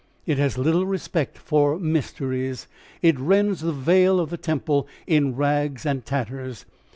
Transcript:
It has little respect for mysteries. It rends the veil of the temple in rags and tatters.